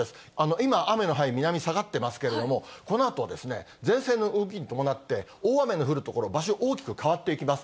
今、雨の範囲、南へ下がってますけれども、このあとは前線の動きに伴って、大雨の降る所、場所、大きく変わっていきます。